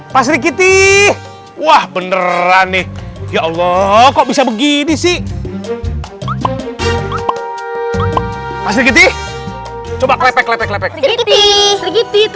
pasri kitty tuh kan bener